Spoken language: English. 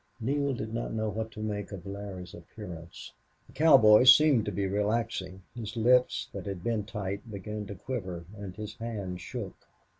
Neale did not know what to make of Larry's appearance. The cowboy seemed to be relaxing. His lips, that had been tight, began to quiver, and his hands shook.